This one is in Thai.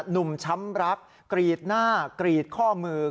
ช้ำรักกรีดหน้ากรีดข้อมือ